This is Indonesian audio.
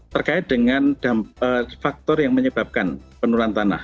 terkait dengan faktor yang menyebabkan penurunan tanah